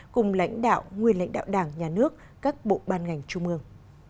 cùng lãnh đạo nguyên lãnh đạo đảng nhà nước các bộ ban ngành trung ương